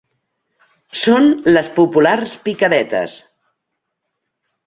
Són les populars "picadetes".